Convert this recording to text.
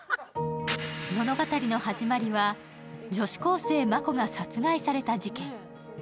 物語の始まりは女子高生・真子が殺害された事件。